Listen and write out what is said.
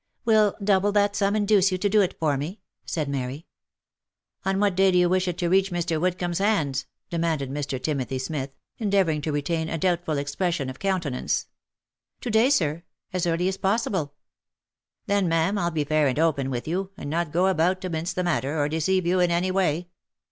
" Will double that sum induce you to do it for me ?" said Mary. " On what day do you wish it to 'reach Mr. Woodcomb's hands V demanded Mr. Timothy Smith, endeavouring to retain a doubtful expression of countenance. " To day, sir ; as early as possible." " Then, ma'am, I'll be fair and open with you, and not go about to mince the matter, or deceive you in any way.